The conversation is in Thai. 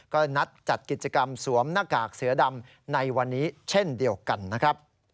ก็นัดจัดกิจกรรมสวมหน้ากากเสือดำในวันนี้เช่นเดียวกันนะครับ